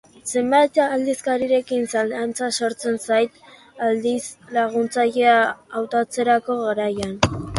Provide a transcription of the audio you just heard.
Zenbait aditzekin zalantza sortzen zait aditz laguntzailea hautatzeko garaian.